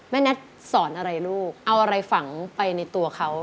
แน็ตสอนอะไรลูกเอาอะไรฝังไปในตัวเขา